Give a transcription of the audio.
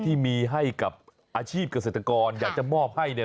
ที่มีให้กับอาชีพเกษตรกรอยากจะมอบให้เนี่ย